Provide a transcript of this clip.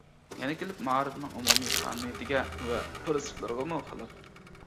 يەنە كېلىپ مائارىپنىڭ ئومۇمىي قانۇنىيىتىگە ۋە پىرىنسىپلىرىغىمۇ خىلاپ.